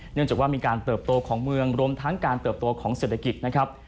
เนื่องจากว่ามีการเติบโตของเมืองรวมทั้งการเติบโตของเศรษฐกิจนะครับ